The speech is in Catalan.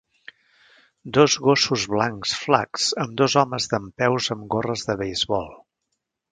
Dos gossos blancs flacs amb dos homes dempeus amb gorres de beisbol